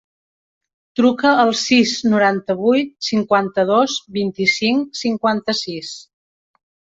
Truca al sis, noranta-vuit, cinquanta-dos, vint-i-cinc, cinquanta-sis.